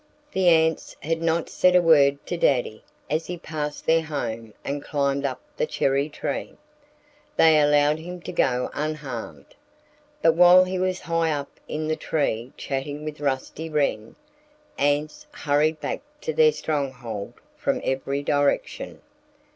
The ants had not said a word to Daddy as he passed their home and climbed up the cherry tree. They allowed him to go unharmed. But while he was high up in the tree chatting with Rusty Wren, ants hurried back to their stronghold from every direction.